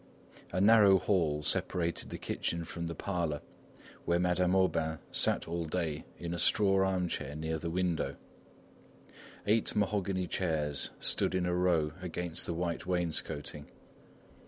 A narrow hall separated the kitchen from the parlour, where Madame Aubain sat all day in a straw armchair near the window. Eight mahogany chairs stood in a row against the white wainscoting.